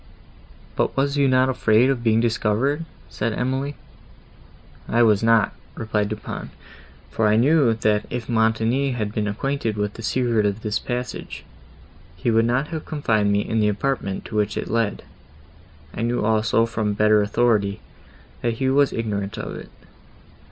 "But were you not afraid of being discovered?" said Emily. "I was not," replied Du Pont; "for I knew, that, if Montoni had been acquainted with the secret of this passage, he would not have confined me in the apartment, to which it led. I knew also, from better authority, that he was ignorant of it.